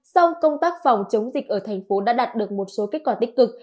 song công tác phòng chống dịch ở thành phố đã đạt được một số kết quả tích cực